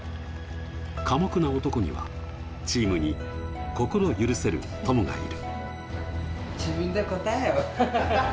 寡黙な男にはチームに心許せる友がいる。